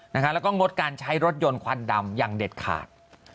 แล้วก็งดการใช้รถยนต์ควันดำอย่างเด็ดขาด